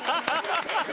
ハハハハ！